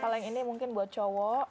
kalau yang ini mungkin buat cowok